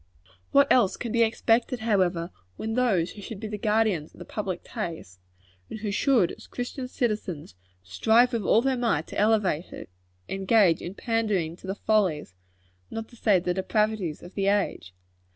What else can be expected, however, when those who should be the guardians of the public taste and who should, as Christian citizens, strive with all their might to elevate it engage in pandering to the follies, not to say the depravities, of the age?